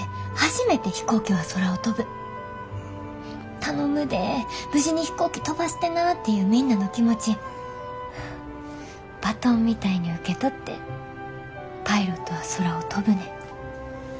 頼むで無事に飛行機飛ばしてなっていうみんなの気持ちバトンみたいに受け取ってパイロットは空を飛ぶねん。